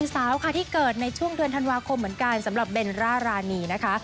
สาวค่ะที่เกิดในช่วงเดือนธันวาคมเหมือนกันสำหรับเบนร่ารานีนะคะ